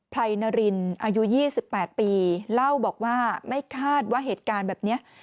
ไรนารินอายุ๒๘ปีเล่าบอกว่าไม่คาดว่าเหตุการณ์แบบนี้